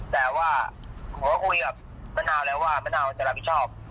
แต่ว่าผมก็คุยกับมะนาวแล้วว่ามะนาวจะรับผิดชอบ